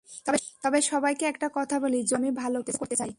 তবে সবাইকে একটা কথা বলি জোর দিয়ে, আমি ভালো কিছু করতে চাই।